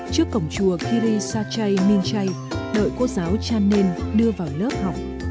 trước cổng chùa kiri satchai minchai đợi cô giáo chanen đưa vào lớp học